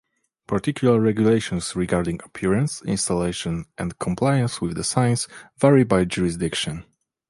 Particular regulations regarding appearance, installation, and compliance with the signs vary by jurisdiction.